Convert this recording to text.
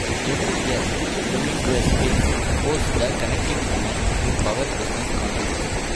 Every year Dominguez Hills hosts the Connecting Women to Power Business Conference.